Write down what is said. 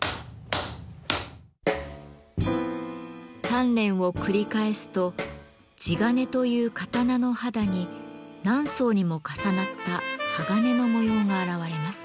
鍛錬を繰り返すと地鉄という刀の肌に何層にも重なった鋼の模様が現れます。